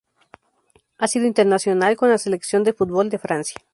Ha sido internacional con la Selección de fútbol de Francia.